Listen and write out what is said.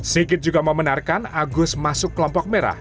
sigit juga membenarkan agus masuk kelompok merah